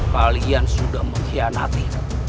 kalian sudah mengkhianati